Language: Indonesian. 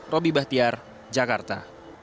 robby bahtiar jakarta